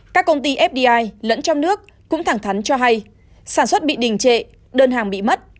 các công ty fdi lẫn trong nước cũng thẳng thắn cho hay sản xuất bị đình trệ đơn hàng bị mất